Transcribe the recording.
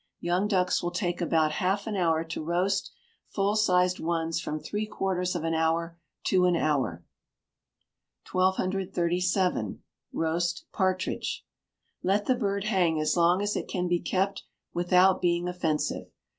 Young ducks will take about half an hour to roast; full sized ones from three quarters of an hour to an hour. 1237 Roast Partridge. Let the bird hang as long as it can be kept without being offensive.